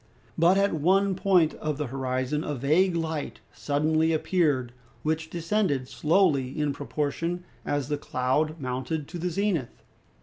But at one point of the horizon a vague light suddenly appeared, which descended slowly in proportion as the cloud mounted to the zenith.